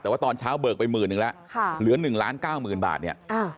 แต่ว่าตอนเช้าเบิกไปหมื่นหนึ่งแล้วเหลือ๑ล้านเก้าหมื่นบาทเนี่ย